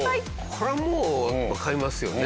これはもうわかりますよね。